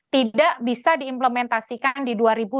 tidak bisa diimplementasikan di dua ribu dua puluh